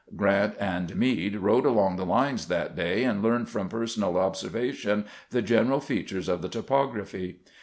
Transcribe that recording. Grant and Meade rode along the lines that day, and learned from personal observation the general fea tures of the topography.